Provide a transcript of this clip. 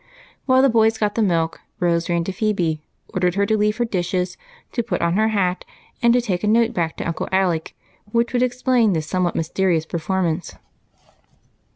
While the boys got the milk Rose ran to Phebe, ordered her to leave her dishes, to put on her hat and take a note back to Uncle Alec, which would ex l^lain this somewhat mysterious performance.